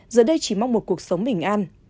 giờ đây chỉ mong một cuộc sống bình an